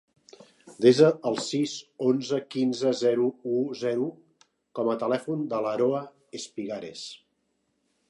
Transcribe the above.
Desa el sis, onze, quinze, zero, u, zero com a telèfon de l'Aroa Espigares.